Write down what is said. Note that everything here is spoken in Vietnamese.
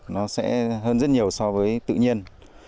nó sẽ hơn rất nhiều so với tự nhiên